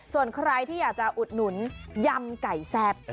ส่วนใครที่อยากจะอุดหนุนยำไก่แซ่บ